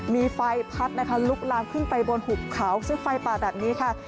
มีไฟพัดนะคะลุกลามขึ้นไปบนหุบเขาซึ่งไฟป่าแบบนี้ค่ะ